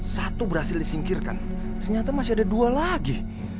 satu berhasil disingkirkan ternyata masih ada dua lagi